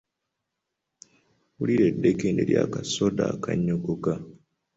Wulira eddekende lya kasoda akannyogoga!